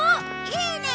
いいね！